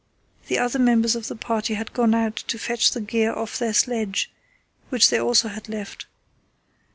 The other members of the party had gone out to fetch the gear off their sledge, which they also had left.